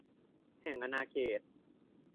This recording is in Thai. แห่งอาณาเขต